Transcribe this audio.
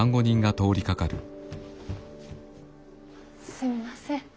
すみません。